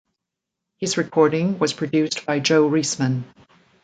His recording was produced by Joe Reisman.